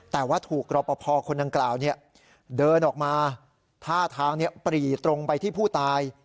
แต่ว่าถูกรอปภคนดังกล่าวเดินออกมาท่าทางปรีตรงไปที่ผู้ตาย